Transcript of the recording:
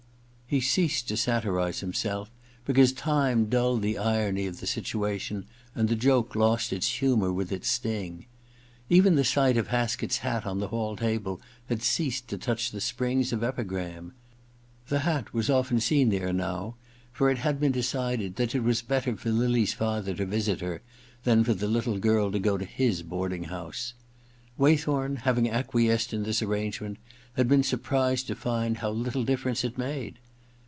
He ceased to satirize himself because time dulled the irony of the situation and the joke lost its humour with its sting. Even the sight of Haskett's hat on the hall table had ceased to touch the springs of epigram. The hat was often seen there now, for it had been decided that it was better for Lily's father to visit her than for the little girl to go to his boarding house. Waythorn, having acquiesced in this arrangement, had been surprised to find how little difference it made.